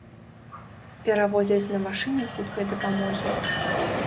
Перавозяць на машыне хуткай дапамогі.